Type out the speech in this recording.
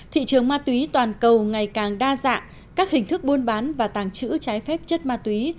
thị trường ma túy toàn cầu ngày càng đa dạng các hình thức buôn bán và tàng trữ trái phép chất ma túy